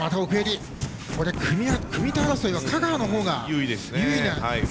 組み手争いは香川のほうが有利。